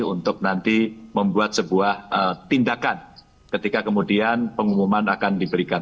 untuk nanti membuat sebuah tindakan ketika kemudian pengumuman akan diberikan